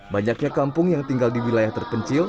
banyaknya kampung yang tinggal di wilayah terpencil